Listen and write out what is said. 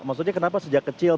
maksudnya kenapa sejak kecil